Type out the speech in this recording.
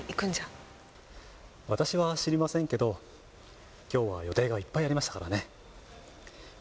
私は知りませんけど、きょうは予定がいっぱいありましたからね。